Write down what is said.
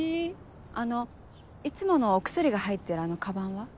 あのいつものお薬が入ってるあのカバンは？